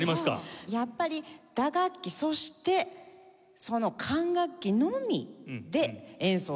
やっぱり打楽器そして管楽器のみで演奏する。